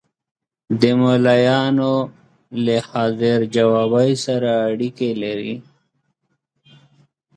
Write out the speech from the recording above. د ملایانو له حاضر جوابي سره اړیکې لري.